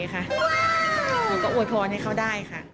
แล้วก็หลับอ่ะ